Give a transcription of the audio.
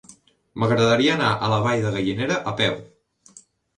M'agradaria anar a la Vall de Gallinera a peu.